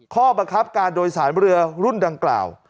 ข้อบังคับการโดยสารเรือรุ่นดังกล่าว